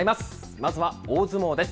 まずは大相撲です。